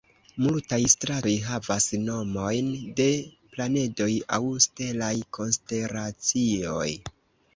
Multaj stratoj havas nomojn de planedoj aŭ stelaj konstelacioj.